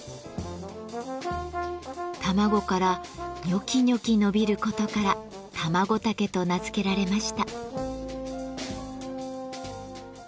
卵からニョキニョキ伸びることからタマゴタケと名付けられました。